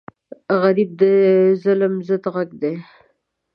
غریب د ظلم ضد غږ دی